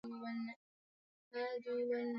wangetaka atoke ili wawe na mtu ambae